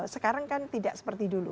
sekarang kan tidak seperti dulu